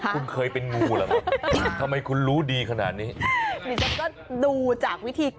คุณเคยเป็นงูเหรอทำไมคุณรู้ดีขนาดนี้